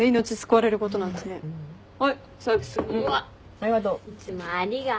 ありがとう。